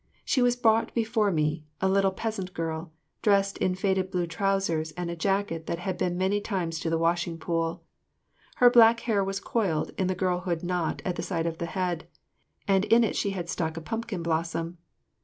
She was brought before me, a little peasant girl, dressed in faded blue trousers and a jacket that had been many times to the washing pool. Her black hair was coiled in the girlhood knot at the side of the head, and in it she had stuck a pumpkin blossom.